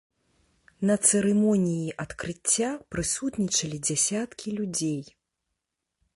На цырымоніі адкрыцця прысутнічалі дзясяткі людзей.